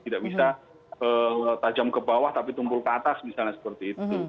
tidak bisa tajam ke bawah tapi tumpul ke atas misalnya seperti itu